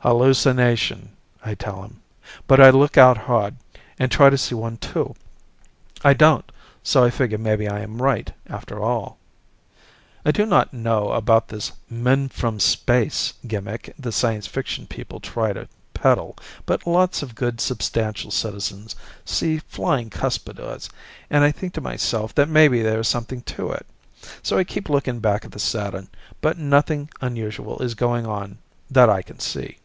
"Hallucination," I tell him. But I look out hard and try to see one too. I don't, so I figure maybe I am right, after all. I do not know about this "men from space" gimmick the science fiction people try to peddle, but lots of good substantial citizens see flying cuspidors and I think to myself that maybe there is something to it. So I keep looking back at the Saturn, but nothing unusual is going on that I can see.